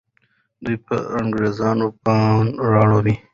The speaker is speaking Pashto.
دوی به پر انګریزانو پاڼ را اړوه.